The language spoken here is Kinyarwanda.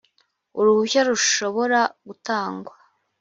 uruhushya rushobora gutangwa